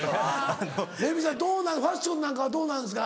レミさんファッションなんかはどうなんですか？